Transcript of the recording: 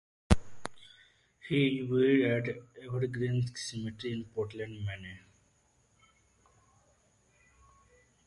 He is buried at Evergreen Cemetery in Portland, Maine.